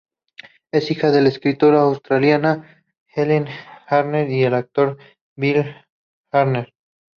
Es hija de la escritora australiana Helen Garner y el actor Bill Garner.